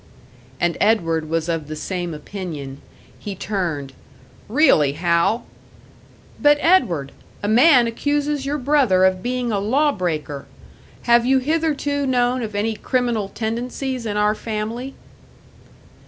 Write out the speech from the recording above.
And Edward was of the same opinion. He turned. "Really, Hal " "But, Edward! A man accuses your brother of being a law breaker! Have you hitherto known of any criminal tendencies in our family?"